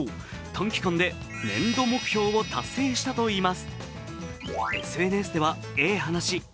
短期間で年度目標を達成したといいます。